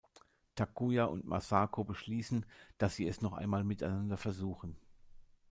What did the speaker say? Takuya und Masako beschließen, dass sie es noch einmal miteinander versuchen.